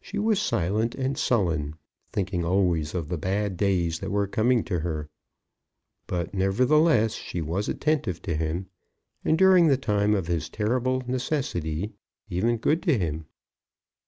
She was silent and sullen, thinking always of the bad days that were coming to her. But, nevertheless, she was attentive to him, and during the time of his terrible necessity even good to him.